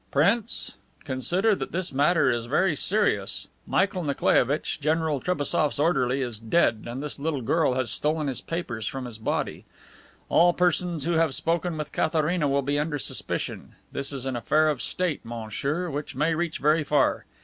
"Prince, consider that this matter is very serious. Michael Nikolaievitch, General Trebassof's orderly, is dead, and this little girl has stolen his papers from his body. All persons who have spoken with Katharina will be under suspicion. This is an affair of State, monsieur, which may reach very far.